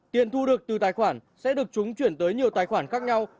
tiền thu được từ tài khoản sẽ được chúng chuyển tới nhiều tài khoản khác nhau